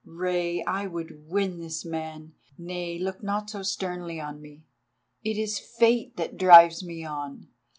Rei! I would win this man. Nay, look not so sternly on me, it is Fate that drives me on.